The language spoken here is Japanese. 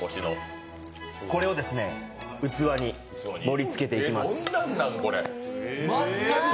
これを器に盛りつけていきます。